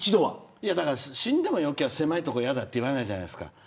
いや、死んでもよければ狭い所嫌だって言わないじゃないですか。